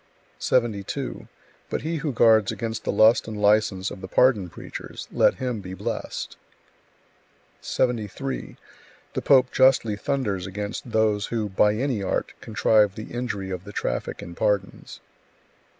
72. But he who guards against the lust and license of the pardon preachers, let him be blessed! 73. The pope justly thunders against those who, by any art, contrive the injury of the traffic in pardons.